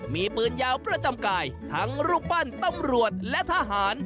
มีปืนยาวประจำกายทั้งรูปปั้นตำรวจและทหาร